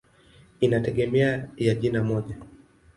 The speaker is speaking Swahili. Inategemea ya jina moja.